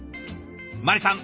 まりさん